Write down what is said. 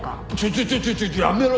ちょちょちょちょやめろ！